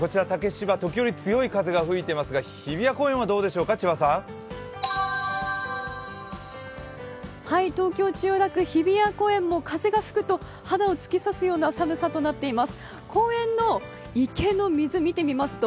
竹芝、時折強い風が吹いていますが日比谷公園はどうですか東京・千代田区日比谷公園も風が吹くと肌を突き刺すような寒さとなっています。